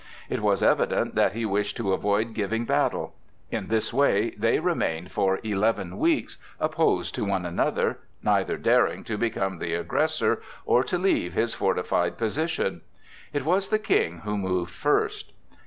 It was evident that he wished to avoid giving battle. In this way they remained for eleven weeks opposed to one another, neither daring to become the aggressor or to leave his fortified position. It was the King who moved first.